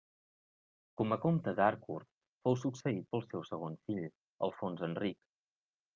Com a comte d'Harcourt fou succeït pel seu segon fill, Alfons Enric.